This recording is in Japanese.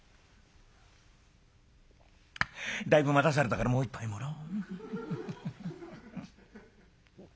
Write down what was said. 「だいぶ待たされたからもう一杯もらおう」。